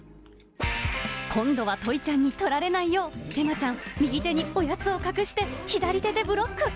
今度はトイちゃんに取られないよう、エマちゃん、右手におやつを隠して、左手でブロック。